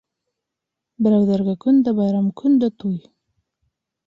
Берәүҙәргә көндә байрам, көндә туй;